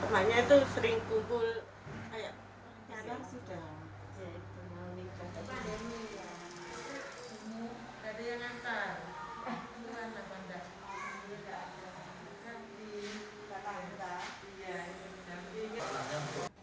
temannya itu sering kumpul